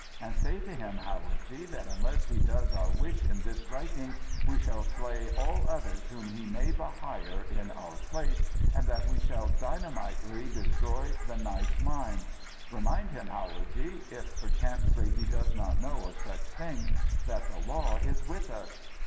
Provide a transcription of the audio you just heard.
And say to him, howadji, that unless he does our wish in this striking we shall slay all others whom he may behire in our place and that we shall dynamitely destroy that nice mine. Remind him, howadji if perchancely he does not know of such things that the law is with us.